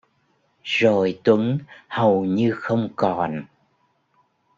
Rồi Tuấn hầu như không còn